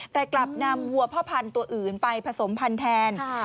แต่กลับนำวัวพ่อพันธุ์ตัวอื่นไปผสมพันธุ์แทน